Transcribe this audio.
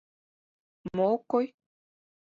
Мо ок кой?